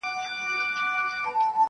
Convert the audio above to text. دې ربات ته بې اختیاره یم راغلی-